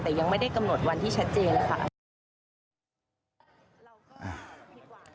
แต่ยังไม่ได้กำหนดวันที่ชัดเจนนะคะ